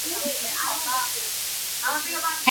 ওদের অনেক উন্নত হতে হবে।